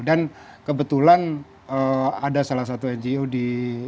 dan kebetulan ada salah satu ngo di